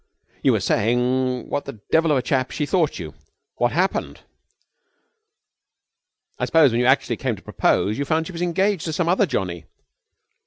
"You were saying what a devil of a chap she thought you. What happened? I suppose, when you actually came to propose, you found she was engaged to some other johnny?"